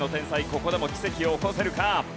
ここでも奇跡を起こせるか？